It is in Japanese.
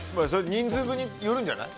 人数分によるんじゃない？